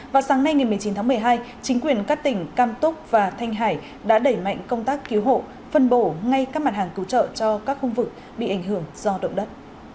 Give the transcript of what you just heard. vào sáng nay ngày một mươi chín tháng một mươi hai chính quyền các tỉnh cam túc và thanh hải đã đẩy mạnh công tác cứu hộ phân bổ ngay các mặt hàng cứu trợ cho các khu vực bị ảnh hưởng do động đất